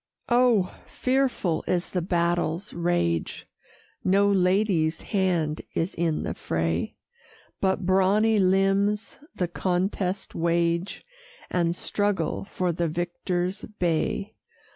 Oh! fearful is the battle's rage; No lady's hand is in the fray; But brawny limbs the contest wage, And struggle for the victor's bay.